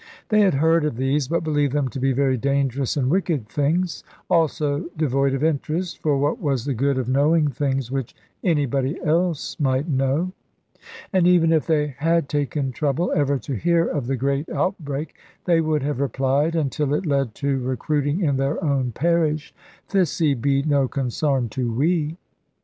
They had heard of these, but believed them to be very dangerous and wicked things; also devoid of interest, for what was the good of knowing things which anybody else might know?[E] And even if they had taken trouble ever to hear of the great outbreak, they would have replied (until it led to recruiting in their own parish), "Thiccy be no consarn to we."